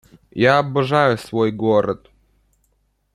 Я обожаю свой город